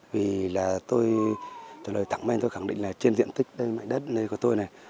vì là tôi trả lời thẳng men tôi khẳng định là trên diện tích mảnh đất của tôi này